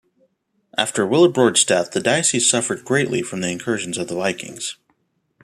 After Willibrord's death the diocese suffered greatly from the incursions of the Vikings.